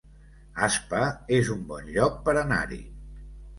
Aspa es un bon lloc per anar-hi